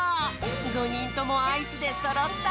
５にんともアイスでそろった！